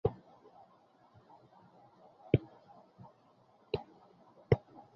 তার আটজন সন্তান হার্ভার্ড মেডিকেল স্কুলে লেখাপড়া করেন।